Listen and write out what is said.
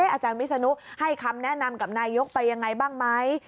อาจารย์วิศนุให้คำแนะนำกับนายกไปยังไงบ้างไหม